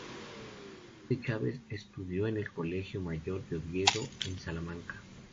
Juan de Chaves estudió en el colegio mayor de Oviedo en Salamanca.